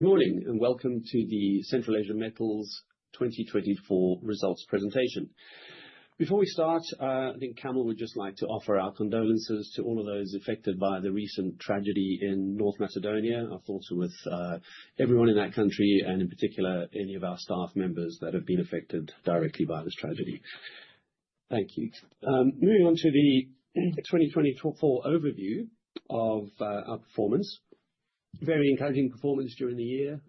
Good morning and welcome to the Central Asia Metals 2024 results presentation. Before we start, I think Central Asia Metals would just like to offer our condolences to all of those affected by the recent tragedy in North Macedonia. Our thoughts are with everyone in that country and in particular any of our staff members that have been affected directly by this tragedy. Thank you. Moving on to the 2024 overview of our performance. Very encouraging performance during the year,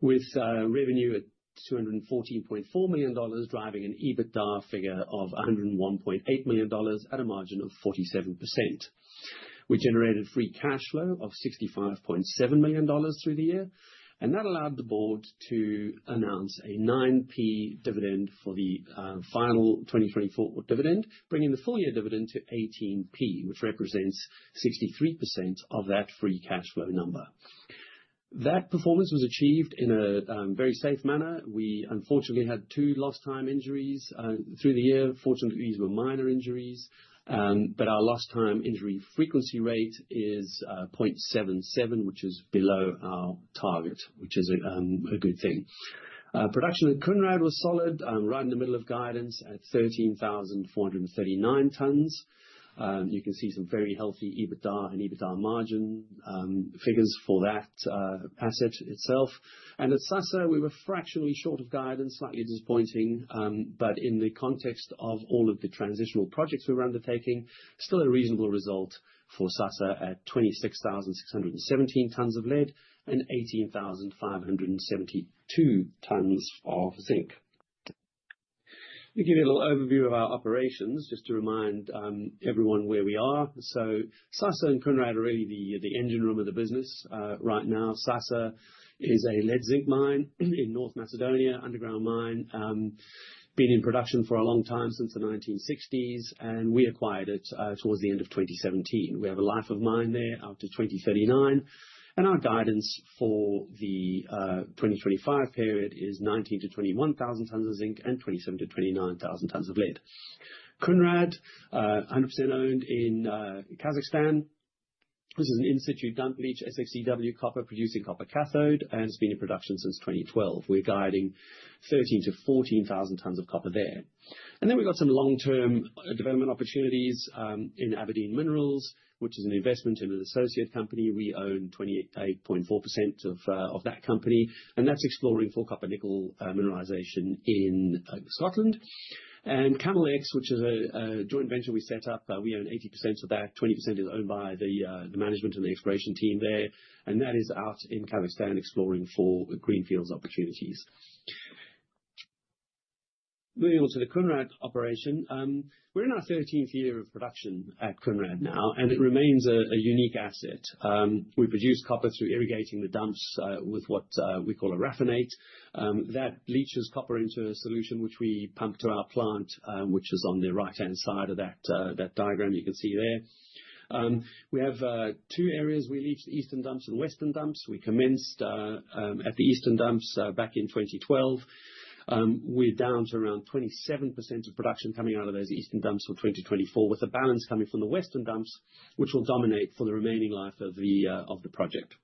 with revenue at $214.4 million, driving an EBITDA figure of $101.8 million at a margin of 47%. We generated free cash flow of $65.7 million through the year, and that allowed the board to announce a 0.09 dividend for the final 2024 dividend, bringing the full year dividend to 0.18, which represents 63% of that free cash flow number. That performance was achieved in a very safe manner. We unfortunately had two lost time injuries through the year. Fortunately, these were minor injuries, but our lost time injury frequency rate is 0.77, which is below our target, which is a good thing. Production at Kounrad was solid, right in the middle of guidance at 13,439 tonnes. You can see some very healthy EBITDA and EBITDA margin figures for that asset itself. At SASA, we were fractionally short of guidance, slightly disappointing, but in the context of all of the transitional projects we were undertaking, still a reasonable result for SASA at 26,617 tonnes of lead and 18,572 tonnes of zinc. Let me give you a little overview of our operations, just to remind everyone where we are. SASA and Kounrad are really the engine room of the business right now. SASA is a lead-zinc mine in North Macedonia, an underground mine, been in production for a long time, since the 1960s, and we acquired it towards the end of 2017. We have a life of mine there out to 2039, and our guidance for the 2025 period is 19,000-21,000 tonnes of zinc and 27,000-29,000 tonnes of lead. Kounrad, 100% owned in Kazakhstan. This is an in-situ dump leach SX-EW copper producing copper cathode, and it's been in production since 2012. We're guiding 13,000-14,000 tonnes of copper there. We have some long-term development opportunities in Aberdeen Minerals, which is an investment in an associate company. We own 28.4% of that company, and that's exploring for copper-nickel mineralisation in Scotland. Camel X, which is a joint venture we set up, we own 80% of that. 20% is owned by the management and the exploration team there, and that is out in Kazakhstan exploring for greenfields opportunities. Moving on to the Kounrad operation, we're in our 13th year of production at Kounrad now, and it remains a unique asset. We produce copper through irrigating the dumps with what we call a raffinate. That leaches copper into a solution which we pump to our plant, which is on the right-hand side of that diagram you can see there. We have two areas we leach: the eastern dumps and the western dumps. We commenced at the eastern dumps back in 2012. We're down to around 27% of production coming out of those eastern dumps for 2024, with a balance coming from the western dumps, which will dominate for the remaining life of the project.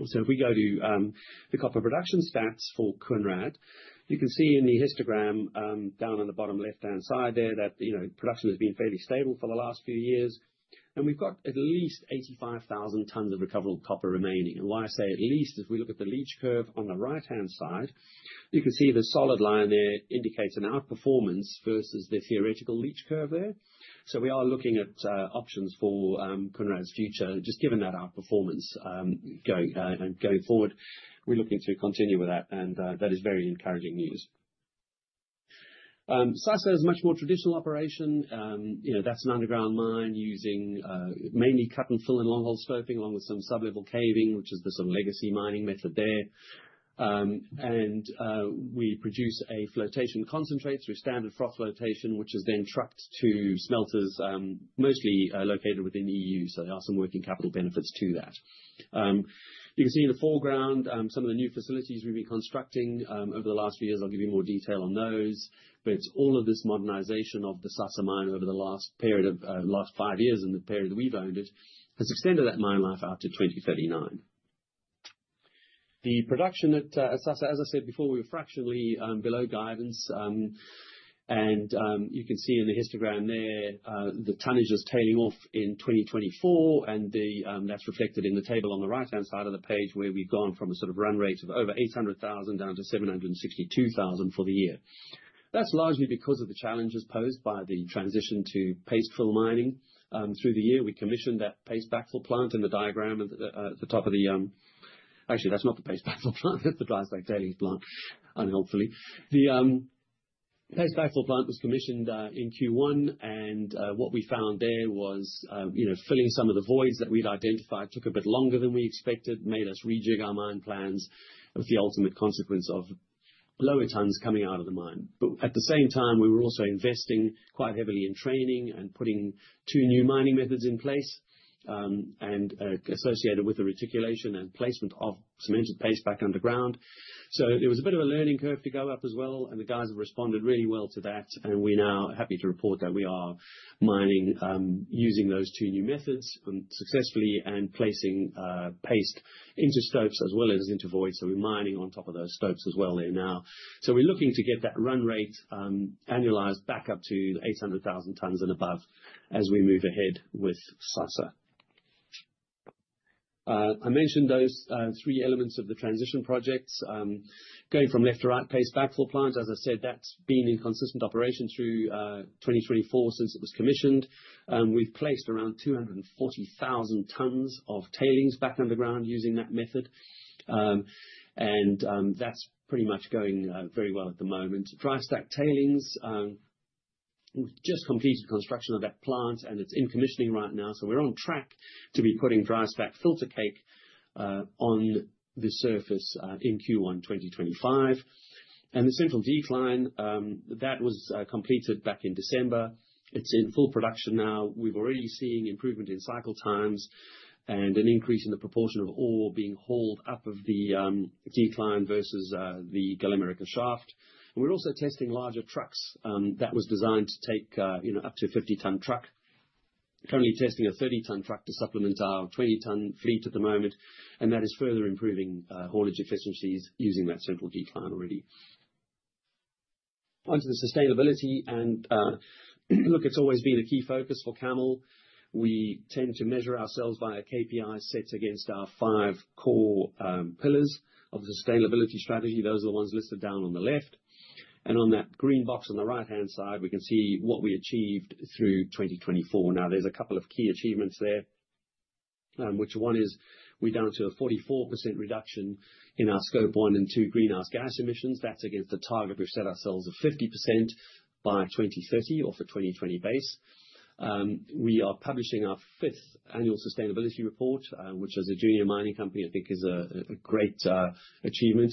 If we go to the copper production stats for Kounrad, you can see in the histogram down on the bottom left-hand side there that production has been fairly stable for the last few years, and we've got at least 85,000 tonnes of recoverable copper remaining. Why I say at least, if we look at the leach curve on the right-hand side, you can see the solid line there indicates an outperformance versus the theoretical leach curve there. We are looking at options for Kounrad's future. Just given that outperformance going forward, we're looking to continue with that, and that is very encouraging news. SASA is a much more traditional operation. That's an underground mine using mainly cut and fill and long-hole stoping, along with some sublevel caving, which is the sort of legacy mining method there. We produce a flotation concentrate through standard froth flotation, which is then trucked to smelters mostly located within the EU. There are some working capital benefits to that. You can see in the foreground some of the new facilities we've been constructing over the last few years. I'll give you more detail on those, but it's all of this modernisation of the SASA mine over the last period of the last five years and the period that we've owned it has extended that mine life out to 2039. The production at SASA, as I said before, we were fractionally below guidance, and you can see in the histogram there the tonnage is tailing off in 2024, and that's reflected in the table on the right-hand side of the page where we've gone from a sort of run rate of over 800,000 down to 762,000 for the year. That's largely because of the challenges posed by the transition to paste fill mining through the year. We commissioned that paste backfill plant in the diagram at the top of the—actually, that's not the paste backfill plant, that's the dry stack tailings plant, unhopefully. The paste backfill plant was commissioned in Q1, and what we found there was filling some of the voids that we'd identified took a bit longer than we expected, made us rejig our mine plans, with the ultimate consequence of lower tonnes coming out of the mine. At the same time, we were also investing quite heavily in training and putting two new mining methods in place and associated with the reticulation and placement of cemented paste back underground. There was a bit of a learning curve to go up as well, and the guys have responded really well to that, and we're now happy to report that we are mining using those two new methods successfully and placing paste into stopes as well as into voids. We're mining on top of those stopes as well there now. We're looking to get that run rate annualized back up to 800,000 tonnes and above as we move ahead with SASA. I mentioned those three elements of the transition projects. Going from left to right, paste backfill plant, as I said, that's been in consistent operation through 2024 since it was commissioned. We've placed around 240,000 tonnes of tailings back underground using that method, and that's pretty much going very well at the moment. Dry stack tailings, we have just completed construction of that plant, and it is in commissioning right now. We are on track to be putting dry stack filter cake on the surface in Q1 2025. The central decline was completed back in December. It is in full production now. We have already seen improvement in cycle times and an increase in the proportion of ore being hauled up the decline versus the Galima Reka shift. We are also testing larger trucks that were designed to take up to a 50-tonne truck, currently testing a 30-tonne truck to supplement our 20-tonne fleet at the moment, and that is further improving haulage efficiencies using that central decline already. Onto the sustainability. It has always been a key focus for Central Asia Metals. We tend to measure ourselves by a KPI set against our five core pillars of the sustainability strategy. Those are the ones listed down on the left. In that green box on the right-hand side, we can see what we achieved through 2024. Now, there's a couple of key achievements there, which one is we're down to a 44% reduction in our scope one and two greenhouse gas emissions. That's against the target we've set ourselves of 50% by 2030 or for 2020 base. We are publishing our fifth annual sustainability report, which as a junior mining company, I think is a great achievement.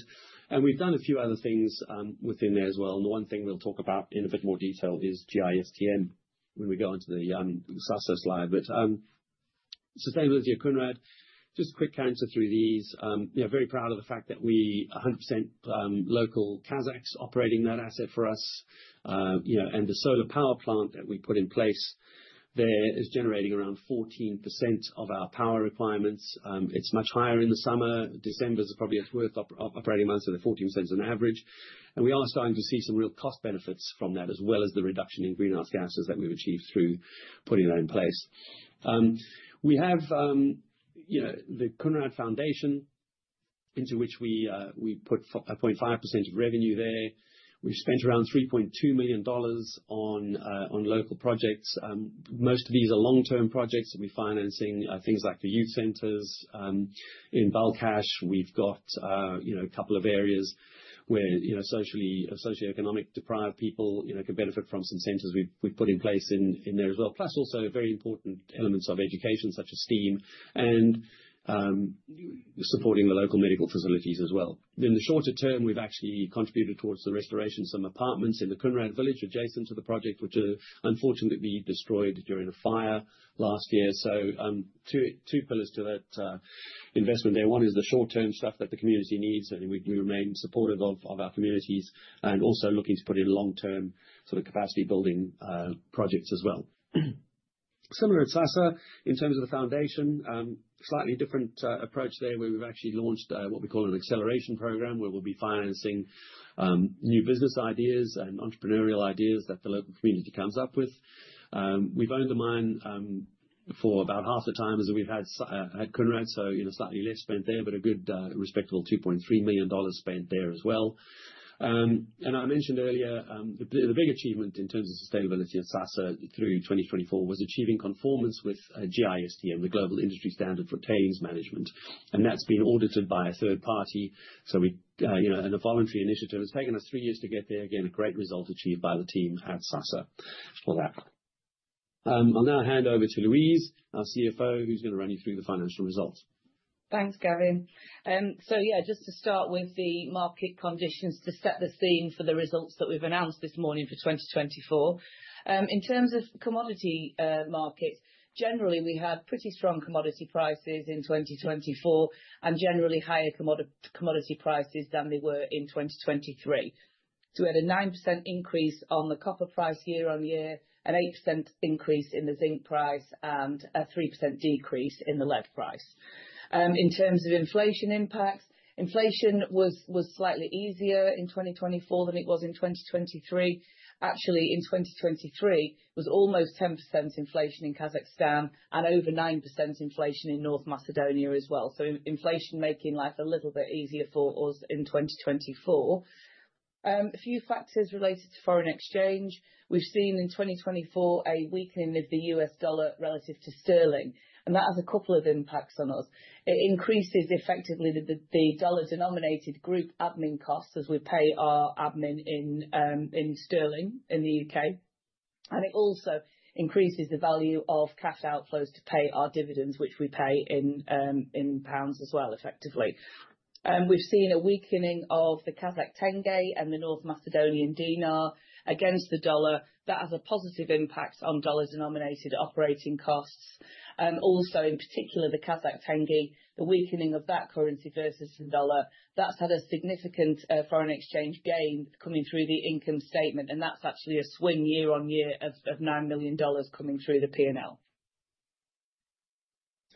We've done a few other things within there as well. The one thing we'll talk about in a bit more detail is GISTM when we go into the SASA slide. Sustainability at Kounrad, just a quick counter through these. Very proud of the fact that we are 100% local Kazakhs operating that asset for us. The solar power plant that we put in place there is generating around 14% of our power requirements. It is much higher in the summer. December is probably its worst operating month, so the 14% is an average. We are starting to see some real cost benefits from that, as well as the reduction in greenhouse gases that we have achieved through putting that in place. We have the Kounrad Foundation into which we put 0.5% of revenue there. We have spent around $3.2 million on local projects. Most of these are long-term projects. We are financing things like the youth centers in Balkhash. We have a couple of areas where socially and socioeconomically deprived people can benefit from some centers we have put in place in there as well. Plus, also very important elements of education, such as STEAM, and supporting the local medical facilities as well. In the shorter term, we've actually contributed towards the restoration of some apartments in the Kounrad village adjacent to the project, which were unfortunately destroyed during a fire last year. Two pillars to that investment there. One is the short-term stuff that the community needs, and we remain supportive of our communities and also looking to put in long-term sort of capacity building projects as well. Similar at SASA in terms of the foundation, slightly different approach there where we've actually launched what we call an acceleration program where we'll be financing new business ideas and entrepreneurial ideas that the local community comes up with. We've owned the mine for about half the time as we've had Kounrad, so slightly less spent there, but a good respectable $2.3 million spent there as well. I mentioned earlier, the big achievement in terms of sustainability at SASA through 2024 was achieving conformance with GISTM, the Global Industry Standard for Tailings Management. That has been audited by a third party. In a voluntary initiative, it has taken us three years to get there. Again, a great result achieved by the team at SASA for that. I'll now hand over to Louise, our CFO, who's going to run you through the financial results. Thanks, Gavin. Yeah, just to start with the market conditions to set the scene for the results that we've announced this morning for 2024. In terms of commodity markets, generally, we had pretty strong commodity prices in 2024 and generally higher commodity prices than they were in 2023. We had a 9% increase on the copper price year on year and an 8% increase in the zinc price and a 3% decrease in the lead price. In terms of inflation impacts, inflation was slightly easier in 2024 than it was in 2023. Actually, in 2023, it was almost 10% inflation in Kazakhstan and over 9% inflation in North Macedonia as well. Inflation making life a little bit easier for us in 2024. A few factors related to foreign exchange. We've seen in 2024 a weakening of the US dollar relative to sterling, and that has a couple of impacts on us. It increases effectively the dollar-denominated group admin costs as we pay our admin in sterling in the U.K. It also increases the value of cash outflows to pay our dividends, which we pay in GBP as well, effectively. We've seen a weakening of the Kazakh tenge and the North Macedonian denar against the dollar. That has a positive impact on dollar-denominated operating costs. Also, in particular, the Kazakh tenge, the weakening of that currency versus the dollar, that's had a significant foreign exchange gain coming through the income statement, and that's actually a swing year on year of $9 million coming through the P&L.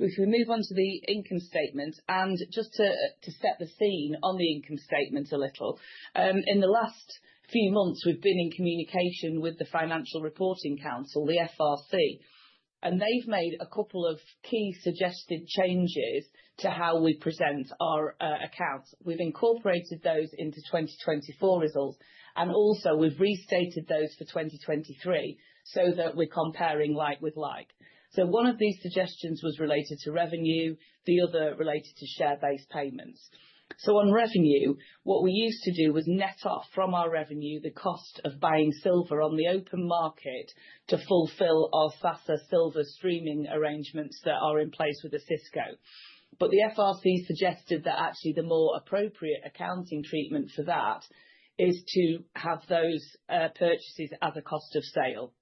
If we move on to the income statement and just to set the scene on the income statement a little, in the last few months, we've been in communication with the Financial Reporting Council, the FRC, and they've made a couple of key suggested changes to how we present our accounts. We've incorporated those into 2024 results, and also we've restated those for 2023 so that we're comparing like with like. One of these suggestions was related to revenue, the other related to share-based payments. On revenue, what we used to do was net up from our revenue the cost of buying silver on the open market to fulfill our SASA silver streaming arrangements that are in place with Trafigura. The FRC suggested that actually the more appropriate accounting treatment for that is to have those purchases as a cost of sale.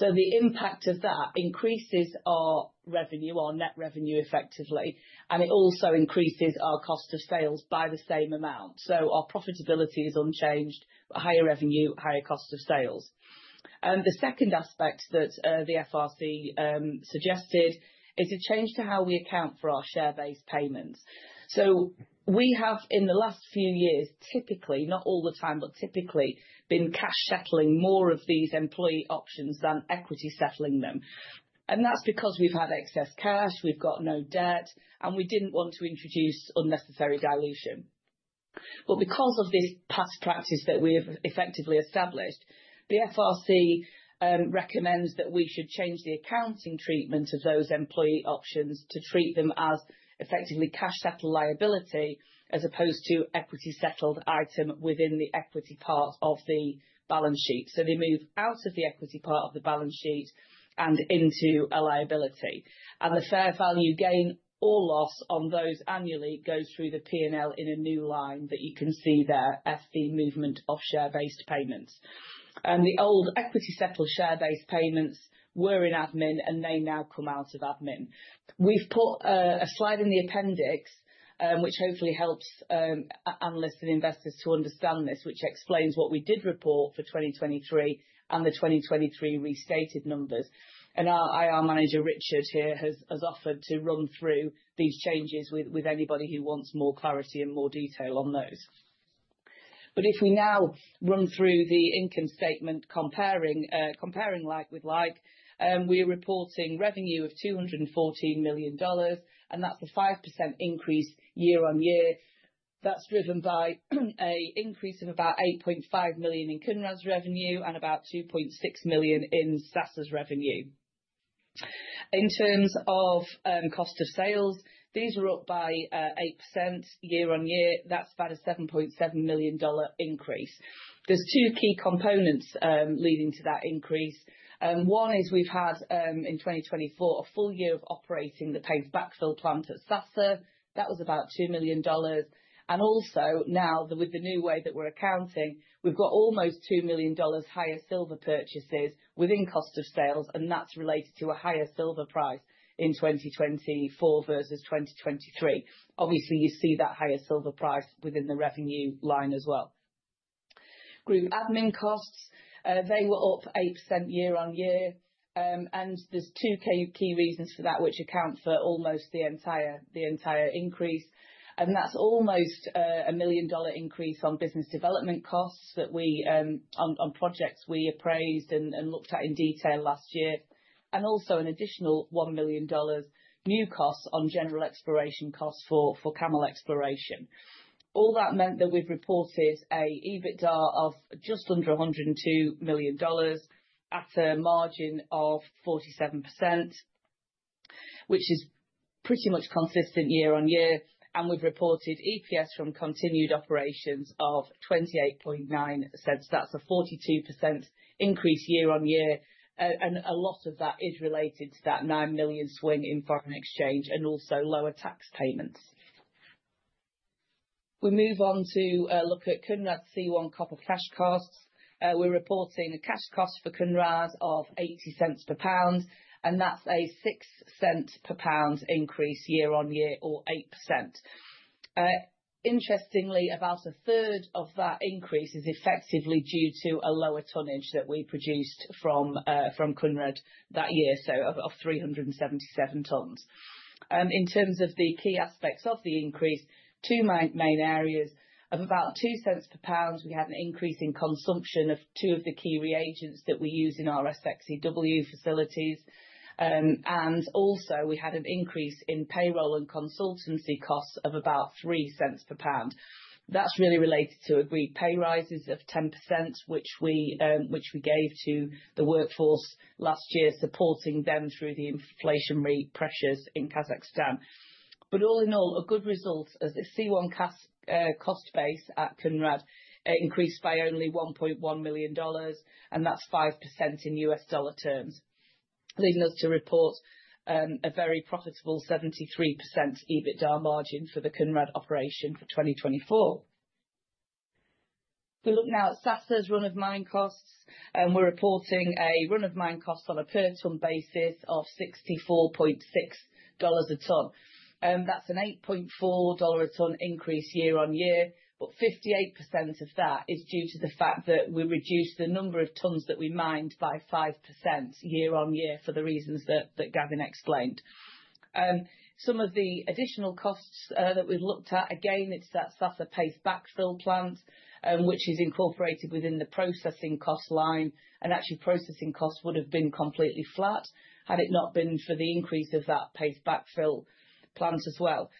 The impact of that increases our revenue, our net revenue effectively, and it also increases our cost of sales by the same amount. Our profitability is unchanged, but higher revenue, higher cost of sales. The second aspect that the FRC suggested is a change to how we account for our share-based payments. We have in the last few years, typically, not all the time, but typically been cash settling more of these employee options than equity settling them. That is because we have had excess cash, we have got no debt, and we did not want to introduce unnecessary dilution. Because of this past practice that we have effectively established, the FRC recommends that we should change the accounting treatment of those employee options to treat them as effectively cash settled liability as opposed to equity settled item within the equity part of the balance sheet. They move out of the equity part of the balance sheet and into a liability. The fair value gain or loss on those annually goes through the P&L in a new line that you can see there, FV movement of share-based payments. The old equity settled share-based payments were in admin, and they now come out of admin. We have put a slide in the appendix, which hopefully helps analysts and investors to understand this, which explains what we did report for 2023 and the 2023 restated numbers. Our IR manager, Richard here, has offered to run through these changes with anybody who wants more clarity and more detail on those. If we now run through the income statement comparing like with like, we are reporting revenue of $214 million, and that is a 5% increase year on year. That's driven by an increase of about $8.5 million in Kounrad's revenue and about $2.6 million in SASA's revenue. In terms of cost of sales, these were up by 8% year on year. That's about a $7.7 million increase. There are two key components leading to that increase. One is we've had in 2024 a full year of operating the paste backfill plant at SASA. That was about $2 million. Also now, with the new way that we're accounting, we've got almost $2 million higher silver purchases within cost of sales, and that's related to a higher silver price in 2024 versus 2023. Obviously, you see that higher silver price within the revenue line as well. Group admin costs, they were up 8% year on year. There are two key reasons for that, which account for almost the entire increase. That's almost a $1 million increase on business development costs that we on projects we appraised and looked at in detail last year. Also, an additional $1 million new costs on general exploration costs for Camel exploration. All that meant that we've reported an EBITDA of just under $102 million at a margin of 47%, which is pretty much consistent year on year. We've reported EPS from continued operations of 28.9%. That's a 42% increase year on year. A lot of that is related to that $9 million swing in foreign exchange and also lower tax payments. We move on to look at Kounrad's C1 copper cash costs. We're reporting a cash cost for Kounrad of $0.80 per pound, and that's a $0.06 per pound increase year on year or 8%. Interestingly, about a third of that increase is effectively due to a lower tonnage that we produced from Kounrad that year, so of 377 tonnes. In terms of the key aspects of the increase, two main areas of about $0.02 per pound, we had an increase in consumption of two of the key reagents that we use in our SX-EW facilities. Also, we had an increase in payroll and consultancy costs of about $0.03 per pound. That is really related to agreed pay rises of 10%, which we gave to the workforce last year, supporting them through the inflationary pressures in Kazakhstan. All in all, a good result as the C1 cash cost base at Kounrad increased by only $1.1 million, and that is 5% in US dollar terms, leading us to report a very profitable 73% EBITDA margin for the Kounrad operation for 2024. If we look now at SASA's run of mine costs, we're reporting a run of mine costs on a per ton basis of $64.6 a tonne. That's an $8.4 a tonne increase year on year, but 58% of that is due to the fact that we reduced the number of tonnes that we mined by 5% year on year for the reasons that Gavin explained. Some of the additional costs that we've looked at, again, it's that SASA paste backfill plant, which is incorporated within the processing cost line. Actually, processing costs would have been completely flat had it not been for the increase of that paste backfill plant as well.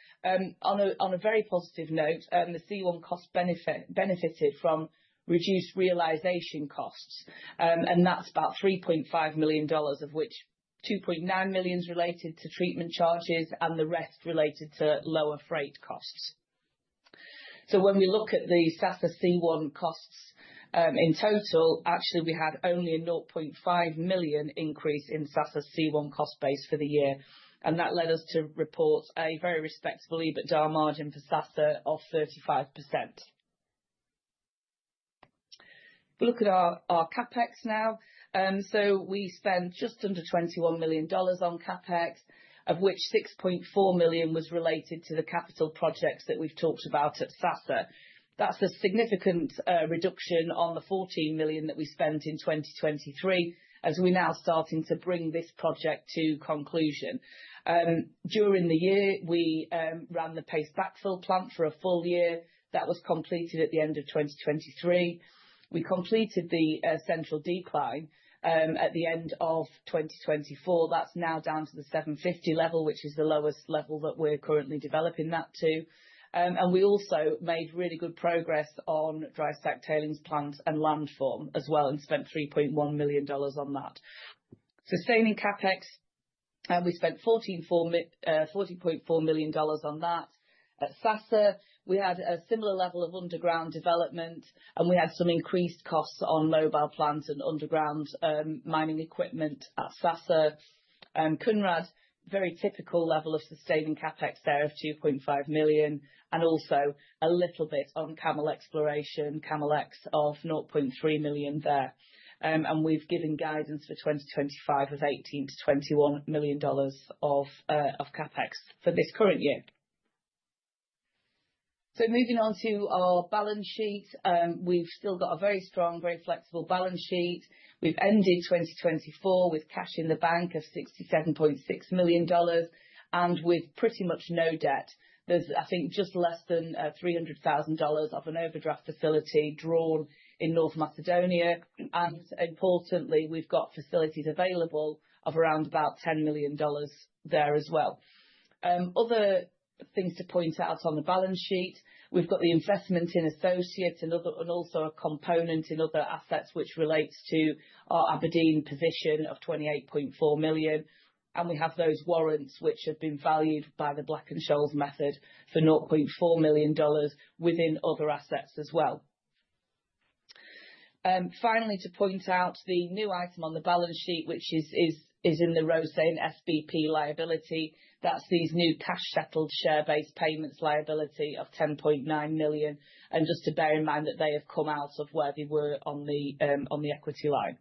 On a very positive note, the C1 cost benefited from reduced realization costs, and that's about $3.5 million, of which $2.9 million is related to treatment charges and the rest related to lower freight costs. When we look at the SASA C1 costs in total, actually, we had only a $0.5 million increase in SASA's C1 cost base for the year. That led us to report a very respectable EBITDA margin for SASA of 35%. If we look at our CapEx now, we spent just under $21 million on CapEx, of which $6.4 million was related to the capital projects that we've talked about at SASA. That's a significant reduction on the $14 million that we spent in 2023 as we're now starting to bring this project to conclusion. During the year, we ran the paste backfill plant for a full year. That was completed at the end of 2023. We completed the central decline at the end of 2024. That's now down to the 750 level, which is the lowest level that we're currently developing that to. We also made really good progress on dry stack tailings plants and landform as well and spent $3.1 million on that. Sustaining CapEx, we spent $14.4 million on that. At SASA, we had a similar level of underground development, and we had some increased costs on mobile plants and underground mining equipment at SASA. Kounrad, very typical level of sustaining CapEx there of $2.5 million, and also a little bit on Camel exploration, Camel X of $0.3 million there. We have given guidance for 2025 of $18-21 million of CapEx for this current year. Moving on to our balance sheet, we have still got a very strong, very flexible balance sheet. We ended 2024 with cash in the bank of $67.6 million and with pretty much no debt. There is, I think, just less than $300,000 of an overdraft facility drawn in North Macedonia. Importantly, we've got facilities available of around about $10 million there as well. Other things to point out on the balance sheet, we've got the investment in associates and also a component in other assets, which relates to our Aberdeen position of $28.4 million. We have those warrants, which have been valued by the Black and Scholes method for $0.4 million within other assets as well. Finally, to point out the new item on the balance sheet, which is in the row saying SBP liability, that's these new cash settled share-based payments liability of $10.9 million. Just to bear in mind that they have come out of where they were on the equity line.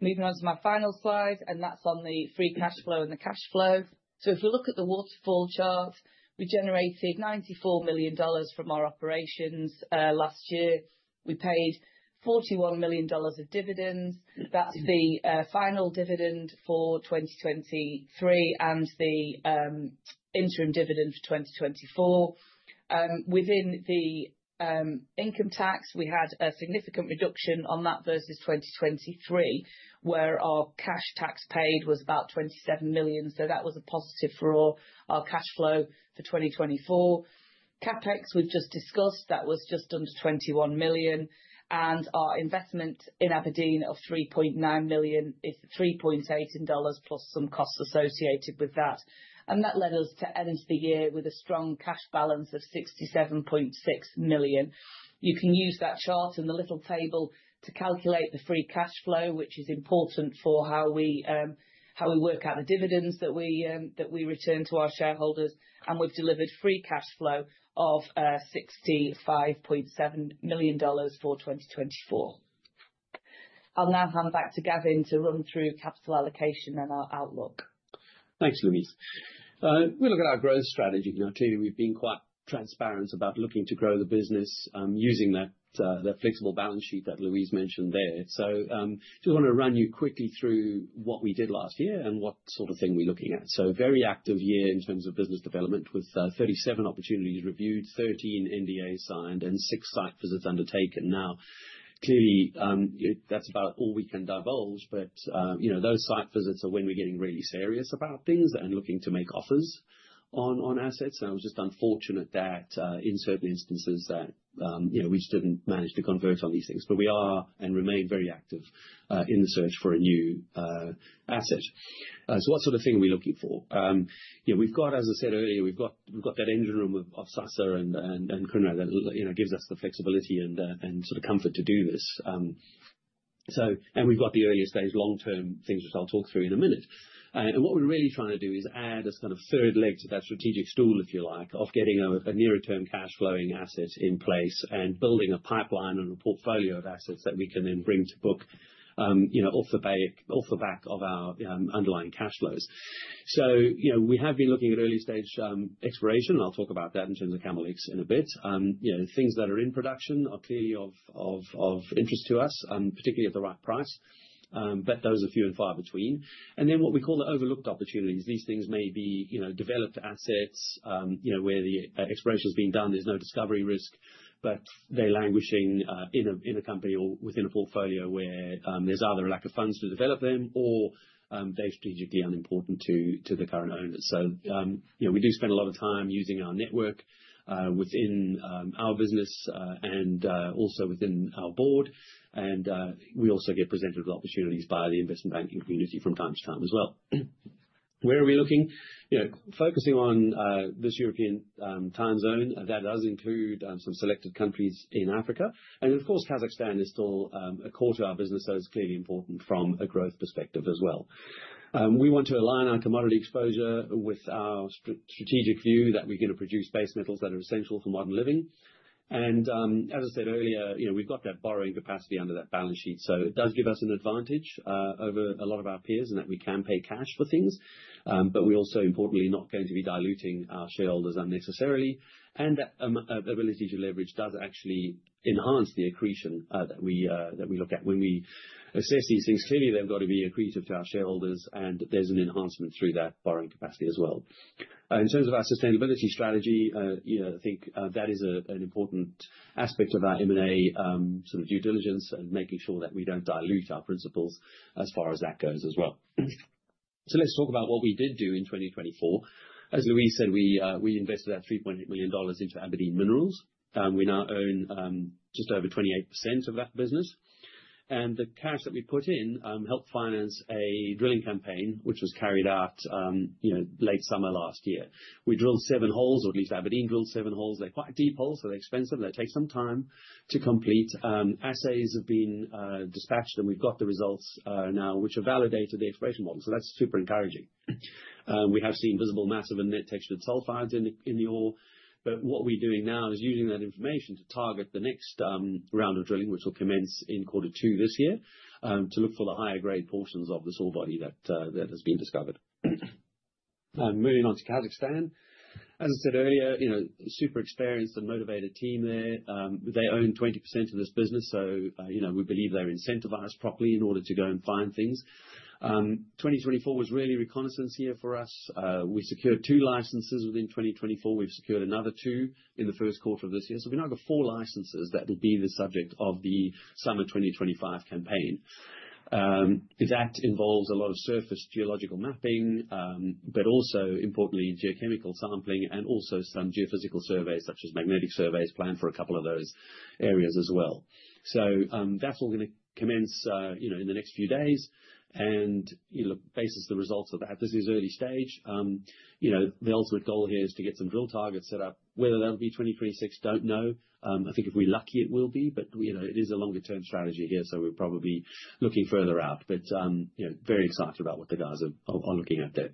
Moving on to my final slide, and that's on the free cash flow and the cash flow. If we look at the waterfall chart, we generated $94 million from our operations last year. We paid $41 million of dividends. That is the final dividend for 2023 and the interim dividend for 2024. Within the income tax, we had a significant reduction on that versus 2023, where our cash tax paid was about $27 million. That was a positive for our cash flow for 2024. CapEx, we have just discussed, that was just under $21 million. Our investment in Aberdeen of $3.9 million is $3.18 million plus some costs associated with that. That led us to end the year with a strong cash balance of $67.6 million. You can use that chart and the little table to calculate the free cash flow, which is important for how we work out the dividends that we return to our shareholders. We have delivered free cash flow of $65.7 million for 2024. I will now hand back to Gavin to run through capital allocation and our outlook. Thanks, Louise. We will look at our growth strategy. Clearly, we have been quite transparent about looking to grow the business using that flexible balance sheet that Louise mentioned there. I just want to run you quickly through what we did last year and what sort of thing we are looking at. It was a very active year in terms of business development with 37 opportunities reviewed, 13 NDAs signed, and six site visits undertaken. That is about all we can divulge, but those site visits are when we are getting really serious about things and looking to make offers on assets. It was just unfortunate that in certain instances we just did not manage to convert on these things. We are and remain very active in the search for a new asset. What sort of thing are we looking for? As I said earlier, we have that engine room of SASA and Kounrad that gives us the flexibility and sort of comfort to do this. We have the earlier stage long-term things, which I will talk through in a minute. What we are really trying to do is add a kind of third leg to that strategic stool, if you like, of getting a near-term cash flowing asset in place and building a pipeline and a portfolio of assets that we can then bring to book off the back of our underlying cash flows. We have been looking at early stage exploration. I will talk about that in terms of Camel X in a bit. Things that are in production are clearly of interest to us, particularly at the right price, but those are few and far between. What we call the overlooked opportunities, these things may be developed assets where the exploration has been done. There is no discovery risk, but they are languishing in a company or within a portfolio where there is either a lack of funds to develop them or they are strategically unimportant to the current owners. We do spend a lot of time using our network within our business and also within our board. We also get presented with opportunities by the investment banking community from time to time as well. Where are we looking? Focusing on this European time zone, that does include some selected countries in Africa. Kazakhstan is still a core to our business, so it's clearly important from a growth perspective as well. We want to align our commodity exposure with our strategic view that we're going to produce base metals that are essential for modern living. As I said earlier, we've got that borrowing capacity under that balance sheet. It does give us an advantage over a lot of our peers in that we can pay cash for things, but we're also importantly not going to be diluting our shareholders unnecessarily. That ability to leverage does actually enhance the accretion that we look at when we assess these things. Clearly, they've got to be accretive to our shareholders, and there's an enhancement through that borrowing capacity as well. In terms of our sustainability strategy, I think that is an important aspect of our M&A sort of due diligence and making sure that we do not dilute our principles as far as that goes as well. Let's talk about what we did do in 2024. As Louise said, we invested $3.8 million into Aberdeen Minerals. We now own just over 28% of that business. The cash that we put in helped finance a drilling campaign, which was carried out late summer last year. We drilled seven holes, or at least Aberdeen drilled seven holes. They are quite deep holes, so they are expensive. They take some time to complete. Assays have been dispatched, and we have got the results now, which have validated the exploration model. That is super encouraging. We have seen visible massive net-textured sulfides in the ore. What we're doing now is using that information to target the next round of drilling, which will commence in quarter two this year, to look for the higher-grade portions of the soil body that has been discovered. Moving on to Kazakhstan. As I said earlier, super experienced and motivated team there. They own 20% of this business, so we believe they're incentivized properly in order to go and find things. 2024 was really a reconnaissance year for us. We secured two licenses within 2024. We've secured another two in the first quarter of this year. We now have four licenses that will be the subject of the summer 2025 campaign. That involves a lot of surface geological mapping, but also, importantly, geochemical sampling and also some geophysical surveys such as magnetic surveys planned for a couple of those areas as well. That's all going to commence in the next few days. Basis the results of that, this is early stage. The ultimate goal here is to get some drill targets set up. Whether that'll be 2026, don't know. I think if we're lucky, it will be, but it is a longer-term strategy here, so we're probably looking further out. Very excited about what the guys are looking at there.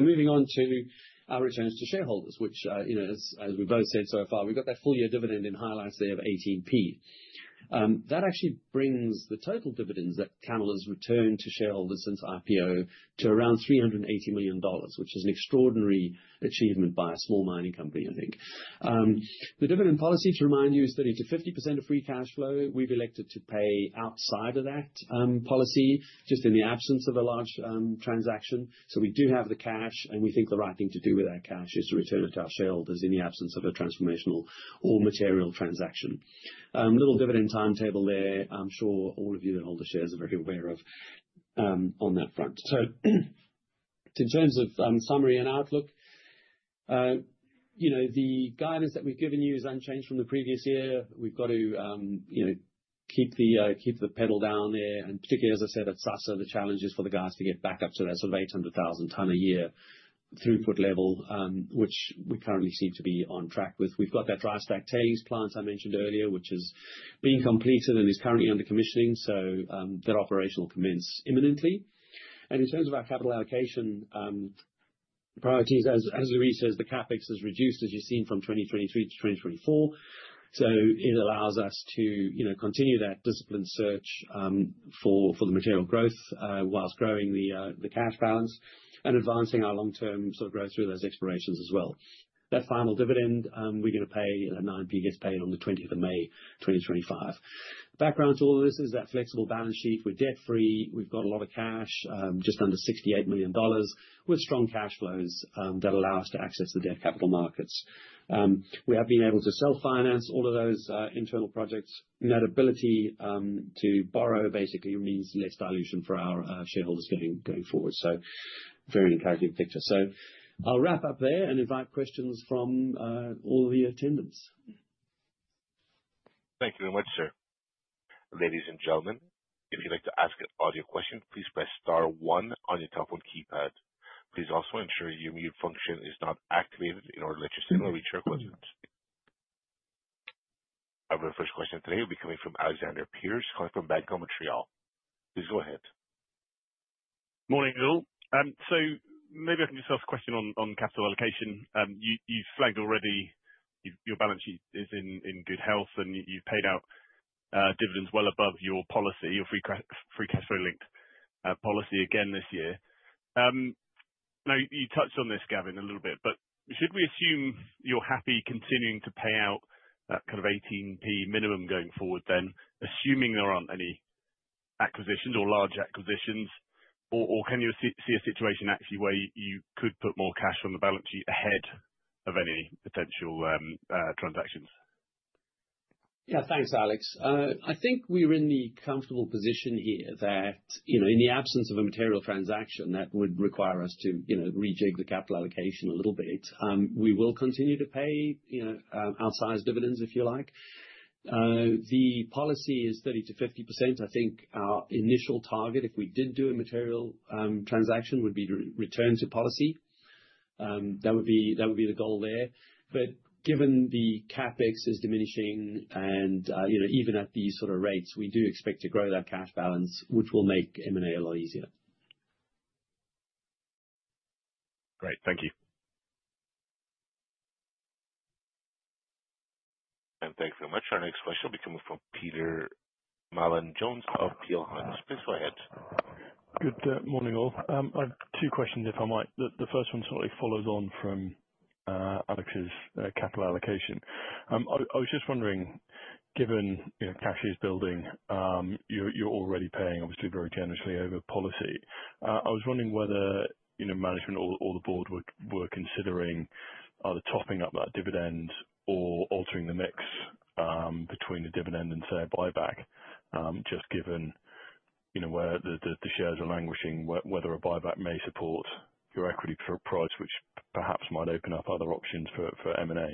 Moving on to our returns to shareholders, which, as we've both said so far, we've got that full-year dividend in highlights there of 18p. That actually brings the total dividends that Central Asia Metals has returned to shareholders since IPO to around $380 million, which is an extraordinary achievement by a small mining company, I think. The dividend policy, to remind you, is 30-50% of free cash flow. We've elected to pay outside of that policy just in the absence of a large transaction. We do have the cash, and we think the right thing to do with that cash is to return it to our shareholders in the absence of a transformational or material transaction. Little dividend timetable there, I'm sure all of you that hold the shares are very aware of on that front. In terms of summary and outlook, the guidance that we've given you is unchanged from the previous year. We've got to keep the pedal down there. Particularly, as I said, at SASA, the challenge is for the guys to get back up to that sort of 800,000-ton-a-year throughput level, which we currently seem to be on track with. We've got that dry stack tailings plant I mentioned earlier, which is being completed and is currently under commissioning. That operational commenced imminently. In terms of our capital allocation priorities, as Louise says, the CapEx has reduced, as you've seen, from 2023 to 2024. It allows us to continue that discipline search for the material growth whilst growing the cash balance and advancing our long-term sort of growth through those explorations as well. That final dividend, we're going to pay that 9p gets paid on the 20th of May, 2025. Background to all of this is that flexible balance sheet. We're debt-free. We've got a lot of cash, just under $68 million, with strong cash flows that allow us to access the debt capital markets. We have been able to self-finance all of those internal projects. That ability to borrow basically means less dilution for our shareholders going forward. Very encouraging picture. I'll wrap up there and invite questions from all of the attendants. Thank you very much, sir. Ladies and gentlemen, if you'd like to ask an audio question, please press star one on your telephone keypad. Please also ensure your mute function is not activated in order to let your signal reach your equivalents. Our very first question today will be coming from Alexander Pearce calling from Bank of America Merrill Lynch. Please go ahead. Morning, Lou. Maybe I can just ask a question on capital allocation. You flagged already your balance sheet is in good health, and you've paid out dividends well above your policy, your free cash flow linked policy again this year. Now, you touched on this, Gavin, a little bit, but should we assume you're happy continuing to pay out that kind of 0.18 minimum going forward then, assuming there aren't any acquisitions or large acquisitions, or can you see a situation actually where you could put more cash on the balance sheet ahead of any potential transactions? Yeah, thanks, Alex. I think we're in the comfortable position here that in the absence of a material transaction that would require us to rejig the capital allocation a little bit, we will continue to pay outsized dividends, if you like. The policy is 30%-50%. I think our initial target, if we did do a material transaction, would be to return to policy. That would be the goal there. Given the CapEx is diminishing, and even at these sort of rates, we do expect to grow that cash balance, which will make M&A a lot easier. Great. Thank you. Thanks very much. Our next question will be coming from Peter Mallin-Jones of Peel Hunt, please go ahead. Good morning, all. I have two questions, if I might. The first one sort of follows on from Alex's capital allocation. I was just wondering, given cash is building, you're already paying, obviously, very generously over policy. I was wondering whether management or the board were considering either topping up that dividend or altering the mix between the dividend and, say, a buyback, just given where the shares are languishing, whether a buyback may support your equity price, which perhaps might open up other options for M&A.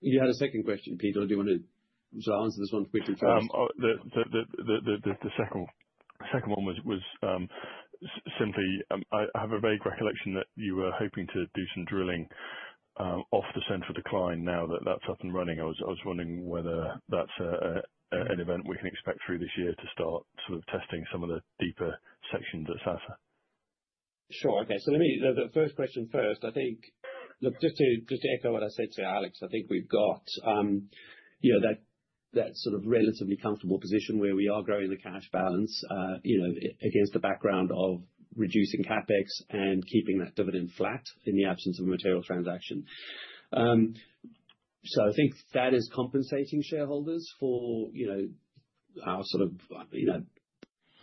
You had a second question, Peter. Do you want to answer this one quickly first? The second one was simply, I have a vague recollection that you were hoping to do some drilling off the central decline now that that's up and running. I was wondering whether that's an event we can expect through this year to start sort of testing some of the deeper sections at SASA. Sure. Okay. The first question first, I think, look, just to echo what I said to Alex, I think we've got that sort of relatively comfortable position where we are growing the cash balance against the background of reducing CapEx and keeping that dividend flat in the absence of a material transaction. I think that is compensating shareholders for our sort of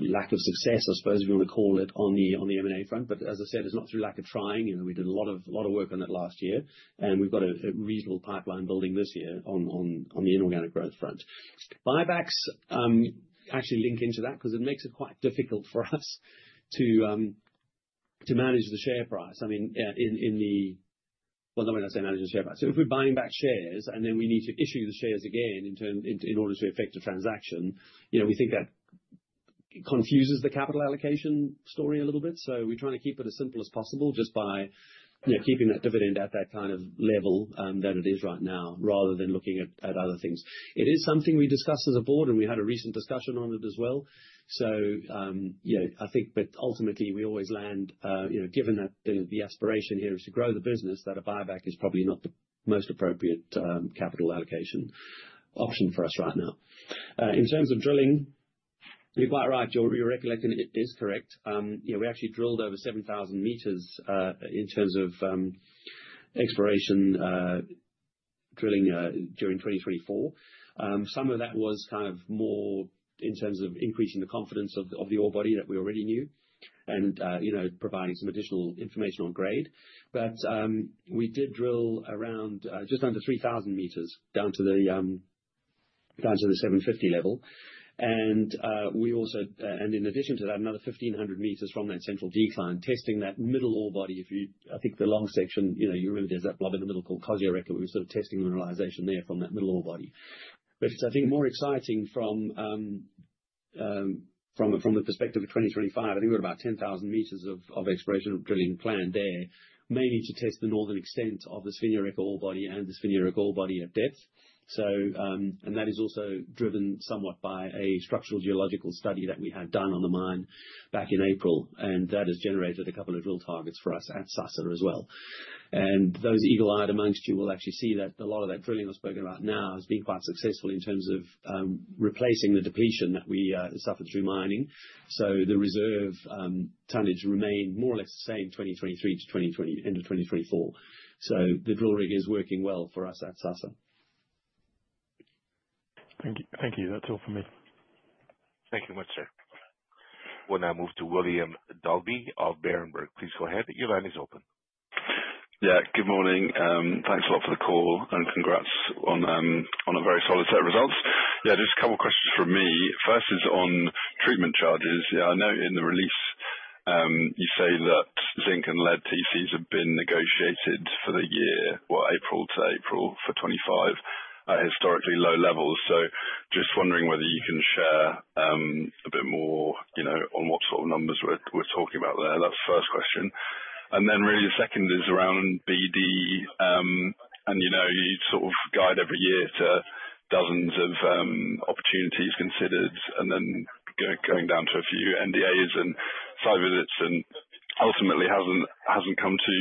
lack of success, I suppose we want to call it, on the M&A front. As I said, it's not through lack of trying. We did a lot of work on that last year. We've got a reasonable pipeline building this year on the inorganic growth front. Buybacks actually link into that because it makes it quite difficult for us to manage the share price. I mean, I don't want to say manage the share price. If we're buying back shares and then we need to issue the shares again in order to effect a transaction, we think that confuses the capital allocation story a little bit. We're trying to keep it as simple as possible just by keeping that dividend at that kind of level that it is right now rather than looking at other things. It is something we discussed as a board, and we had a recent discussion on it as well. I think, but ultimately, we always land, given that the aspiration here is to grow the business, that a buyback is probably not the most appropriate capital allocation option for us right now. In terms of drilling, you're quite right. Your recollection is correct. We actually drilled over 7,000 meters in terms of exploration drilling during 2024. Some of that was kind of more in terms of increasing the confidence of the ore body that we already knew and providing some additional information on grade. We did drill around just under 3,000 meters down to the 750 level. In addition to that, another 1,500 meters from that central decline, testing that middle ore body. I think the long section, you remember there's that blob in the middle called Kozja Rekha. We were sort of testing the mineralization there from that middle ore body. It's, I think, more exciting from the perspective of 2025. I think we're at about 10,000 meters of exploration drilling planned there, mainly to test the northern extent of the Svinja Rekha ore body and the Svinja Rekha ore body at depth. That is also driven somewhat by a structural geological study that we had done on the mine back in April. That has generated a couple of drill targets for us at SASA as well. Those eagle-eyed amongst you will actually see that a lot of that drilling I've spoken about now has been quite successful in terms of replacing the depletion that we suffered through mining. The reserve tonnage remained more or less the same 2023 to end of 2024. The drill rig is working well for us at SASA. Thank you. That's all for me. Thank you very much, sir. We'll now move to William Dalby of Berenberg. Please go ahead. Your line is open. Yeah. Good morning. Thanks a lot for the call and congrats on a very solid set of results. Yeah, just a couple of questions from me. First is on treatment charges. Yeah, I know in the release, you say that zinc and lead TCs have been negotiated for the year, April to April for 2025 at historically low levels. Just wondering whether you can share a bit more on what sort of numbers we're talking about there. That's the first question. Then really the second is around BD, and you sort of guide every year to dozens of opportunities considered, and then going down to a few NDAs and site visits, and ultimately hasn't come to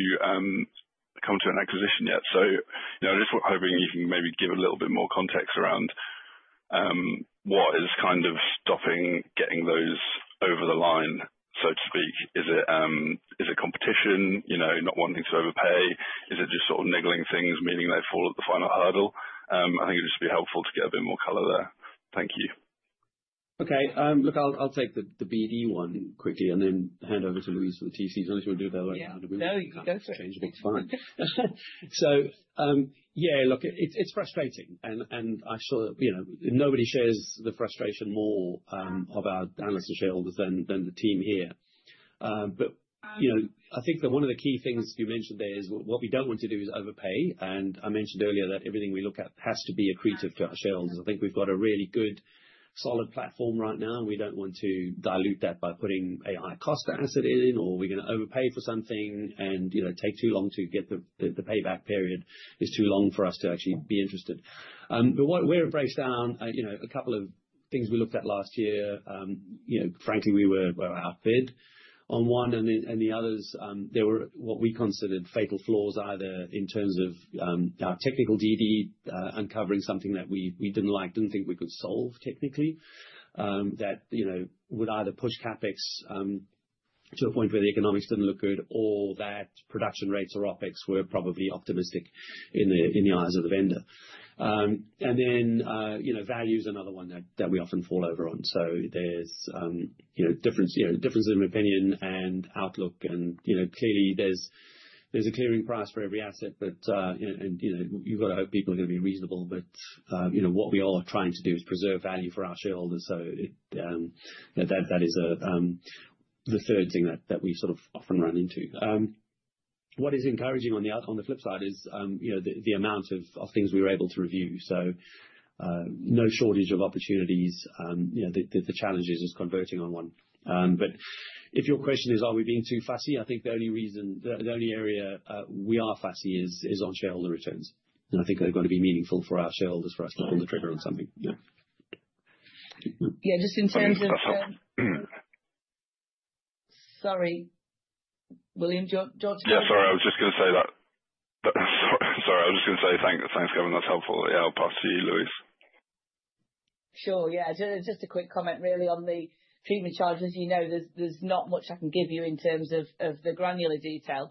an acquisition yet. Just hoping you can maybe give a little bit more context around what is kind of stopping getting those over the line, so to speak. Is it competition, not wanting to overpay? Is it just sort of niggling things, meaning they fall at the final hurdle? I think it'd just be helpful to get a bit more co lor there. Thank you. Okay. Look, I'll take the BD one quickly and then hand over to Louise with the TCs. I'll let you do that. Yeah. No, you can go for it. That's fine. Yeah, look, it's frustrating. I'm sure nobody shares the frustration more of our analysts and shareholders than the team here. I think that one of the key things you mentioned there is what we don't want to do is overpay. I mentioned earlier that everything we look at has to be accretive to our shareholders. I think we've got a really good, solid platform right now, and we don't want to dilute that by putting a high-cost asset in, or we're going to overpay for something, and it takes too long to get the payback period. It's too long for us to actually be interested. We're abreast down a couple of things we looked at last year. Frankly, we were outbid on one. The others, there were what we considered fatal flaws, either in terms of our technical DD uncovering something that we didn't like, didn't think we could solve technically, that would either push CapEx to a point where the economics didn't look good, or that production rates or OpEx were probably optimistic in the eyes of the vendor. Value is another one that we often fall over on. There are differences in opinion and outlook. Clearly, there is a clearing price for every asset, but you have to hope people are going to be reasonable. What we all are trying to do is preserve value for our shareholders. That is the third thing that we often run into. What is encouraging on the flip side is the amount of things we were able to review. There is no shortage of opportunities. The challenge is converting on one. If your question is, are we being too fussy, I think the only area we are fussy is on shareholder returns. I think they have to be meaningful for our shareholders for us to pull the trigger on something. Yeah. Yeah, just in terms of sorry, William, George. Yeah, sorry. I was just going to say that. Sorry. I was just going to say thanks, Kevin. That's helpful. Yeah, I'll pass to you, Louise. Sure. Yeah. Just a quick comment, really, on the treatment charges. There's not much I can give you in terms of the granular detail.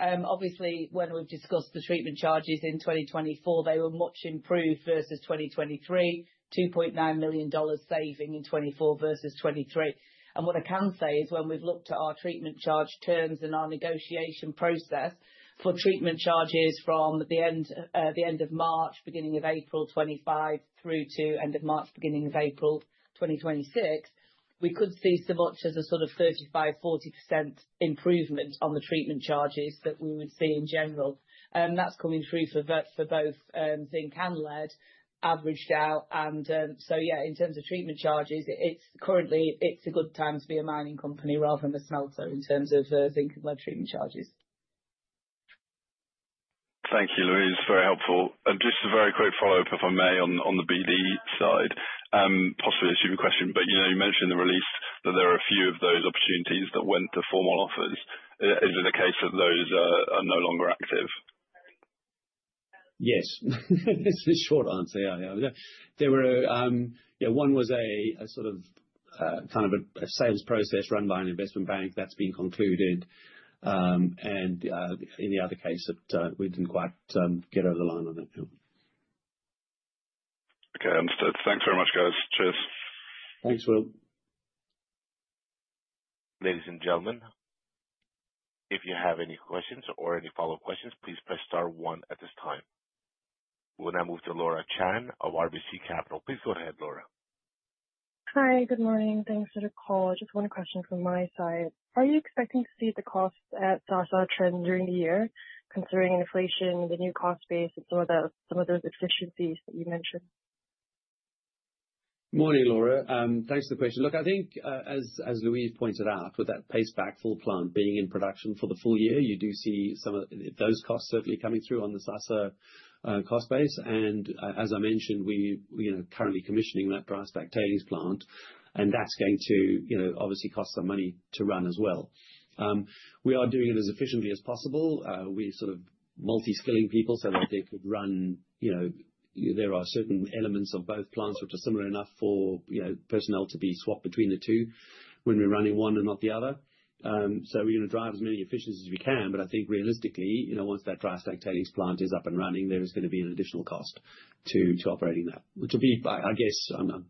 Obviously, when we've discussed the treatment charges in 2024, they were much improved versus 2023, $2.9 million saving in 2024 versus 2023. What I can say is when we've looked at our treatment charge terms and our negotiation process for treatment charges from the end of March, beginning of April 2025, through to end of March, beginning of April 2026, we could see so much as a sort of 35-40% improvement on the treatment charges that we would see in general. That's coming through for both zinc and lead averaged out. Yeah, in terms of treatment charges, currently, it's a good time to be a mining company rather than a smelter in terms of zinc and lead treatment charges. Thank you, Louise. Very helpful. Just a very quick follow-up, if I may, on the BD side, possibly a student question, but you mentioned in the release that there are a few of those opportunities that went to formal offers. Is it a case that those are no longer active? Yes. It's a short answer. Yeah. One was a sort of kind of a sales process run by an investment bank that's been concluded. In the other case, we didn't quite get over the line on it. Okay. Understood. Thanks very much, guys. Cheers. Thanks, Will. Ladies and gentlemen, if you have any questions or any follow-up questions, please press star one at this time. We'll now move to Laura Chan of RBC Capital. Please go ahead, Laura. Hi, good morning. Thanks for the call. Just one question from my side. Are you expecting to see the costs at SASA trend during the year, considering inflation, the new cost base, and some of those efficiencies that you mentioned? Morning, Laura. Thanks for the question. Look, I think, as Louise pointed out, with that paste backfill plant being in production for the full year, you do see some of those costs certainly coming through on the SASA cost base. As I mentioned, we're currently commissioning that dry stack tailings plant, and that's going to obviously cost some money to run as well. We are doing it as efficiently as possible. We're sort of multi-skilling people so that they could run. There are certain elements of both plants which are similar enough for personnel to be swapped between the two when we're running one and not the other. We are going to drive as many efficiencies as we can. I think realistically, once that paste backfill tailings plant is up and running, there is going to be an additional cost to operating that, which will be, I guess, I'm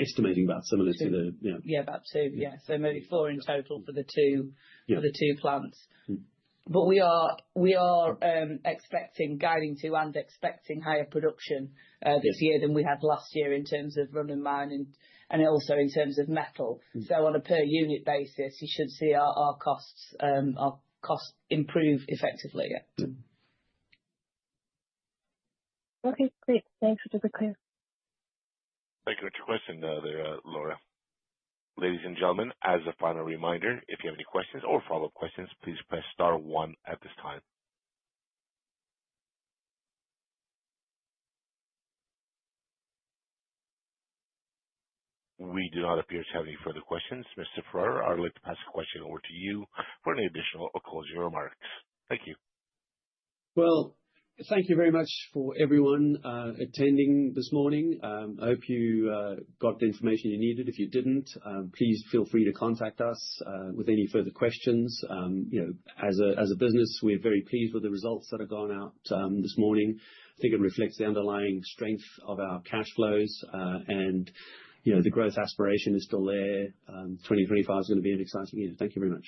estimating about similar to the Yeah, about two, yeah. Maybe four in total for the two plants. We are expecting, guiding to and expecting higher production this year than we had last year in terms of run of mine and also in terms of metal. On a per-unit basis, you should see our costs improve effectively. Okay. Great. Thanks for the question. Thank you for your question, Laura. Ladies and gentlemen, as a final reminder, if you have any questions or follow-up questions, please press star one at this time. We do not appear to have any further questions. Mr. Ferrar, I'd like to pass the question over to you for any additional closing remarks. Thank you. Thank you very much for everyone attending this morning. I hope you got the information you needed. If you didn't, please feel free to contact us with any further questions. As a business, we're very pleased with the results that have gone out this morning. I think it reflects the underlying strength of our cash flows, and the growth aspiration is still there. 2025 is going to be an exciting year. Thank you very much.